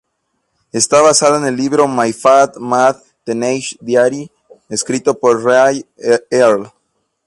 Está basada en el libro "My Fat, Mad Teenage Diary", escrito por Rae Earl.